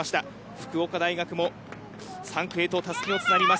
福岡大学も３区へとたすきをつなぎます